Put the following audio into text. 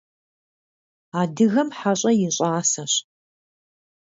Адыгэм хьэщӀэ и щӀасэщ.